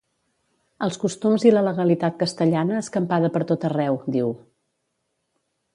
Els costums i la legalitat castellana escampada per tot arreu, diu.